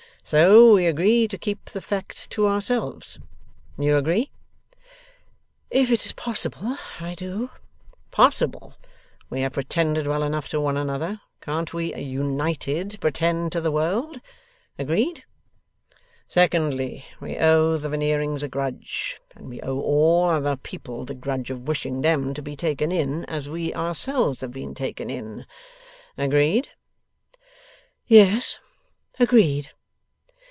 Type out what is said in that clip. So we agree to keep the fact to ourselves. You agree?' 'If it is possible, I do.' 'Possible! We have pretended well enough to one another. Can't we, united, pretend to the world? Agreed. Secondly, we owe the Veneerings a grudge, and we owe all other people the grudge of wishing them to be taken in, as we ourselves have been taken in. Agreed?' 'Yes. Agreed.